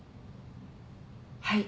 はい。